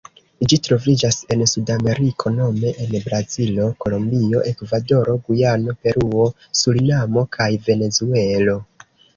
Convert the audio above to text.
Ĝi troviĝas en Sudameriko nome en Brazilo, Kolombio, Ekvadoro, Gujano, Peruo, Surinamo kaj Venezuelo.